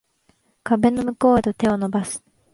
壁の向こうへと手を伸ばす